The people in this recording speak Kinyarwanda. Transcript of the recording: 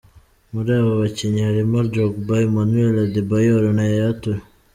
Muri abo bakinnyi harimo: Drogba, Emmanuel Adebayor na yaya Touré.